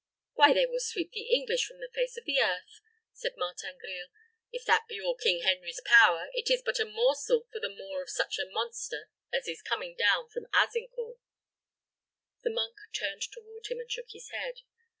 "Why, they will sweep the English from the face of the earth," said Martin Grille. "If that be all King Henry's power, it is but a morsel for the maw of such a monster as is coming down from Azincourt." The monk turned toward him, and shook his head.